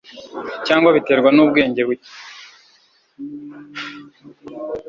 cyangwa biterwa n'ubwenge buke